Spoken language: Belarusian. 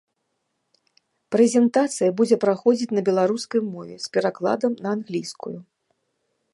Прэзентацыя будзе праходзіць на беларускай мове з перакладам на англійскую.